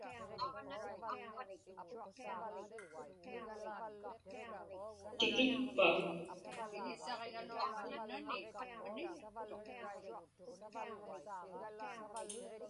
Tikitpa?